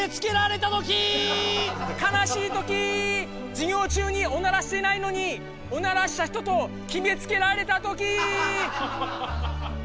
授業中におならしてないのに「おならした人」と決めつけられたときー！